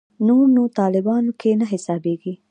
نور نو طالبانو کې نه حسابېږي.